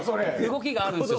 動きがあるんですよ